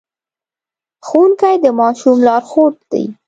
ښوونکي د ماشوم لارښود دي.